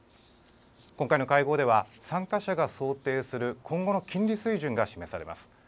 今回の会合では、参加者が想定する今後の金利水準が示されます。